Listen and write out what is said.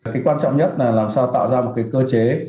cái quan trọng nhất là làm sao tạo ra một cái cơ chế